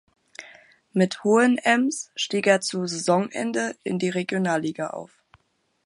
Mit Hohenems stieg er zu Saisonende in die Regionalliga auf.